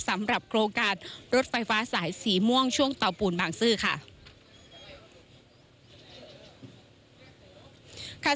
สำหรับโครงการรถไฟฟ้าสายสีม่วงช่วงเตาปูนบางซื่อค่ะ